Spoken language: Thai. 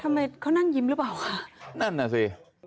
ทำไมเขานั่งยิ้มหรือเปล่าคะนั่นน่ะสิ